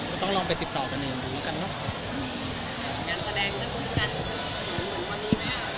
ก็ต้องลองไปติดต่อกันเองดูแล้วกันเนอะ